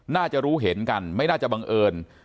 น่าจะรู้เห็นกันไม่น่าจะบังเอิญ